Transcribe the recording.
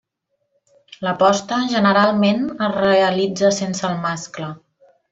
La posta generalment es realitza sense el mascle.